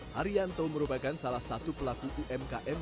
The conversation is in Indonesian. haryanto merupakan salah satu pelaku umkm